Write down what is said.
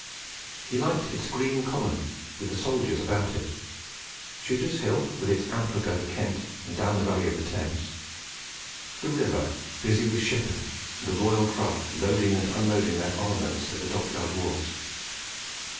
He liked its green common, with the soldiers about it; Shooter's Hill, with its out look over Kent and down the valley of the Thames; the river busy with shipping, and the royal craft loading and unloading their armaments at the dockyard wharves.